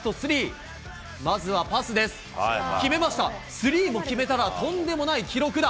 スリーも決めたらとんでもない記録だ。